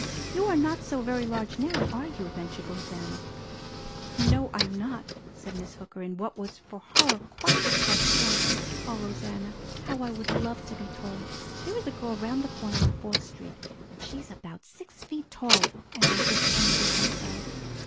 "You are not so very large now, are you?" ventured Rosanna. "No, I am not," said Miss Hooker in what was for her quite a cross tone. "Oh, Rosanna, how I would love to be tall! There is a girl round the corner on Fourth Street, and she is about six feet tall, and I just envy her so!